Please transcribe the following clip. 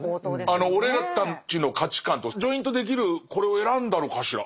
あの俺たちの価値観とジョイントできるこれを選んだのかしら？